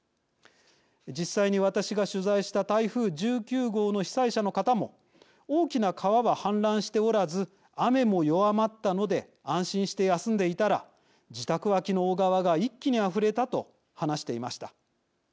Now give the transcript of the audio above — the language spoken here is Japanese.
実際に私が取材した台風１９号の被災者の方も大きな川は氾濫しておらず雨も弱まったので安心して休んでいたら自宅脇の小川が一気にあふれたと話していました。